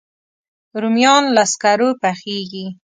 رومیان له سکرو پخېږي